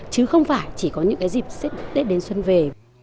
chứ không phải chỉ có những cái dịp tết đến xuân về